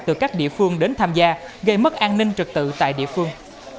từ các địa phương đến tham gia gây mất an ninh trực tự tại địa phương